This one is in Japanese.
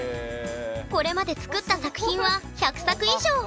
これまで作った作品は１００作以上！